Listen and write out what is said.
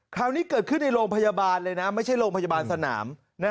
คราวนี้เกิดขึ้นในโรงพยาบาลเลยนะไม่ใช่โรงพยาบาลสนาม